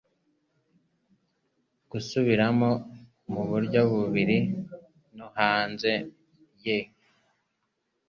gusubiramo muburyo bubiri no hanze ye